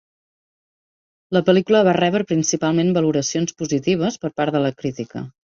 La pel·lícula va rebre principalment valoracions positives per part de la crítica